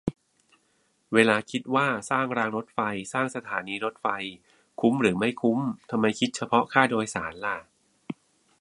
เวลาคิดว่าสร้างรางรถไฟ สร้างสถานีรถไฟ คุ้มหรือไม่คุ้ม ทำไมคิดเฉพาะค่าโดยสารล่ะ ?